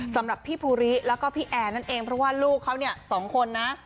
สำหรับพี่ภูริแล้วก็พี่แอร์นั่นเองเพราะว่าลูกเขาเนี่ยสองคนนะ